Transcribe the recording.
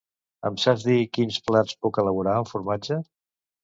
Em saps dir quins plats puc elaborar amb formatge?